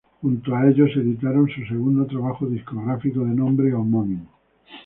Junto a ellos editaron su segundo trabajo discográfico, de nombre homónimo.